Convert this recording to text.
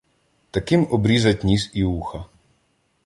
Таким обрізать ніс і уха